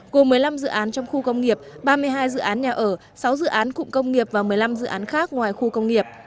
gồm một mươi năm dự án trong khu công nghiệp ba mươi hai dự án nhà ở sáu dự án cụm công nghiệp và một mươi năm dự án khác ngoài khu công nghiệp